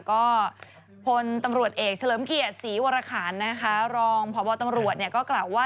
ก็พลตำรวจเอกเฉลิมเกียรติศรีวรคารนะคะรองพบตำรวจก็กล่าวว่า